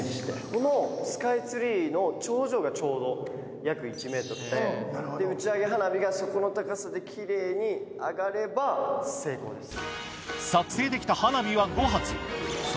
このスカイツリーの頂上がちょうど約１ｍで打ち上げ花火がそこの高さで奇麗に上がれば成功です。